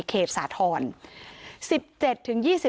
เขตสาธรณฑ์